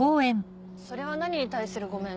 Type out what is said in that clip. それは何に対する「ごめん」？